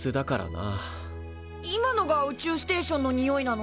今のが宇宙ステーションのにおいなの？